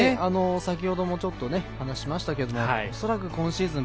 先ほどもちょっと話しましたけど恐らく今シーズン